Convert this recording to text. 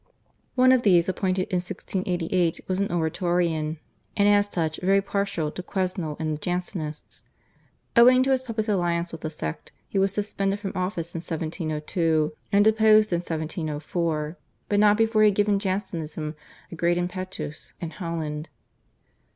One of these appointed in 1688 was an Oratorian, and as such very partial to Quesnel and the Jansenists. Owing to his public alliance with the sect he was suspended from office in 1702 and deposed in 1704, but not before he had given Jansenism a great impetus in Holland.